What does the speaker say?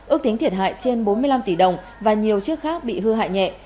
ước tính thiệt hại trên bốn mươi năm tỷ đồng và nhiều chiếc khác bị hư hại nhẹ